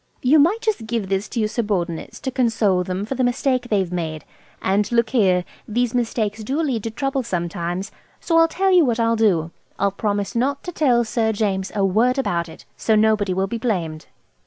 "You might just give this to your subordinates to console them for the mistake they've made. And look here, these mistakes do lead to trouble sometimes. So I'll tell you what I'll do. I'll promise not to tell Sir James a word about it. So nobody will. be blamed."